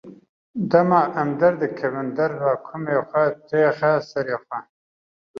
Dema em derkevin derve kumê xwe têxe serê xwe.